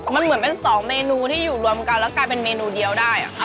มันเหมือนเป็นสองเมนูที่อยู่รวมกันแล้วกลายเป็นเมนูเดียวได้ค่ะ